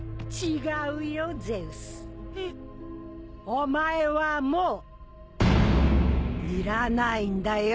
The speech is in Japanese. お前はもういらないんだよ。